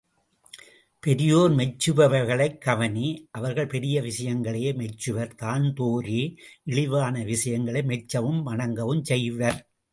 பெரியோர் மெச்சுபவைகளைக்கவனி அவர்கள் பெரிய விஷயங்களையே மெச்சுவர் தாழ்ந்தோரே இழிவான விஷயங்களை மெச்சவும் வணங்கவும் செய்வர்.